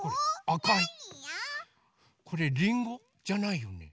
これりんご？じゃないよね。